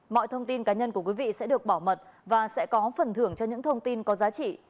mọi thông tin cá nhân của quý vị sẽ được bảo mật và sẽ có phần thưởng cho những thông tin có giá trị